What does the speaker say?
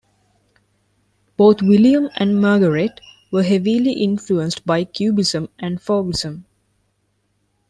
Both William and Marguerite were heavily influenced by cubism and fauvism.